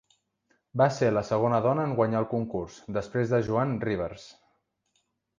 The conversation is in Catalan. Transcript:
Va ser la segona dona en guanyar el concurs, després de Joan Rivers.